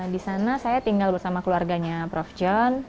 di sana saya tinggal bersama keluarganya prof john